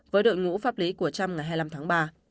với đội ngũ pháp lý của trump ngày hai mươi năm tháng ba